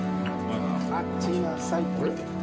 待ちなさいって。